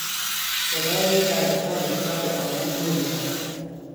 چراغی در اتاق خواب آنان نور میدهد.